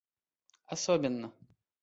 особенно